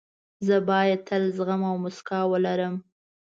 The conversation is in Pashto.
زه باید تل زغم او موسکا ولرم.